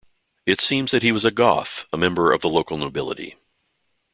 It seems that he was a Goth, a member of the local nobility.